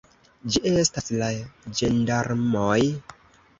Ĝi estas la ĝendarmoj!